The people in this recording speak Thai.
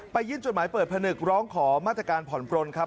ยื่นจดหมายเปิดผนึกร้องขอมาตรการผ่อนปลนครับ